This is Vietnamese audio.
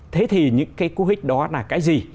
thế thì những cú hích đó là cái gì